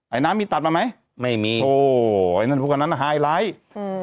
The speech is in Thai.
ไอ้น้ำมีตัดมาไหมไม่มีโหไอ้น้ำพวกนั้นไฮไลท์